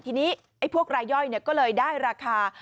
ทีนี้ไอ้พวกรายย่อยก็เลยได้ราคา